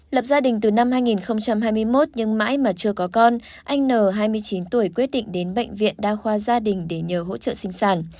lập gia đình từ năm hai nghìn hai mươi một nhưng mãi mà chưa có con anh n hai mươi chín tuổi quyết định đến bệnh viện đa khoa gia đình để nhờ hỗ trợ sinh sản